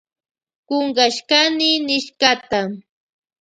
Kunkashkani nishkata.